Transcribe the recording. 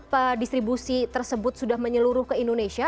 apakah memang distribusi tersebut sudah menyeluruh ke indonesia